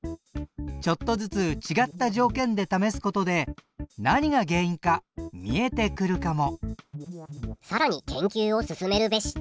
ちょっとずつ違った条件で試すことで何が原因か見えてくるかも！